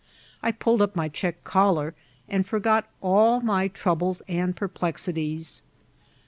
I pulled up my check collar, and forgot all my troubles and peiplexities.